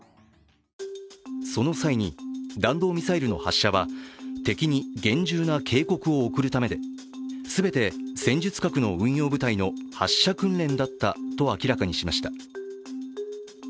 その際に、弾道ミサイルの発射は敵に厳重な警告を送るためで全て戦術核の運用部隊の発射訓練だったと明らかにしました。